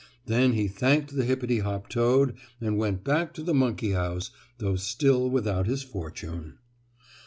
Then he thanked the hippity hop toad and went back to the monkey house, though still without his fortune.